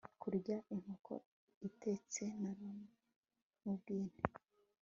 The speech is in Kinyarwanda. kurya inkoko itetse Naramubwiye nti